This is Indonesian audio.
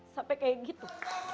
sampai kayak gitu